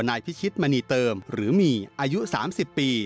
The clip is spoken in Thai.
นายพิชิตมณีเติมหรือหมี่อายุ๓๐ปี